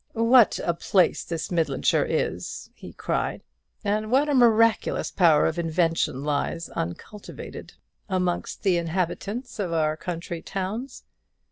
"What a place this Midlandshire is!" he cried; "and what a miraculous power of invention lies uncultivated amongst the inhabitants of our country towns!